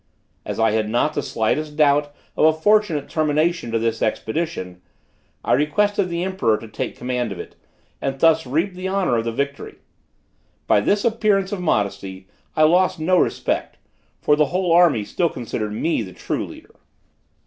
As I had not the slightest doubt of a fortunate termination to this expedition, I requested the emperor to take command of it, and thus reap the honor of the victory. By this appearance of modesty, I lost no respect, for the whole army still considered me the true leader.